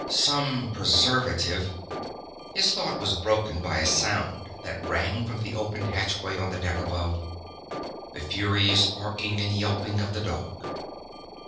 Some preservative.... His thought was broken by a sound that rang from the open hatchway on the deck above the furious barking and yelping of the dog.